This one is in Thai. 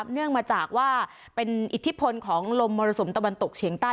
เนื่องมาจากว่าเป็นอิทธิพลของลมมรสุมตะวันตกเฉียงใต้